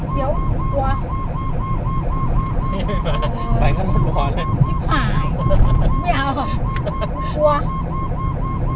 ผู้ชีพเราบอกให้สุจรรย์ว่า๒